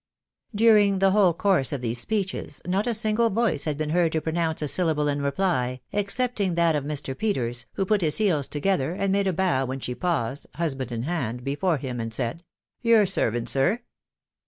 During the whole course of these speeches not a single voice bad been heard to pronounce a sellable in reply, excepting thai of Mr. Peters who put bis het&a to£gtic\et «x& \s*Afe %'t»w \r< • THE WIDOW BARNABY. 489 When she paused, husband in hand, before him, and said, Your servant, sir